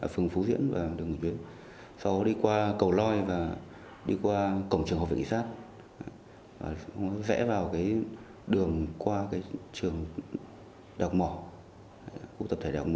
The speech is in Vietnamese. nhưng khi đến đoạn đường cổng trầu về kỳ sát thì đối tượng này dẽ về hướng tây tiệu và bỏ chạy theo hướng đường ba mươi hai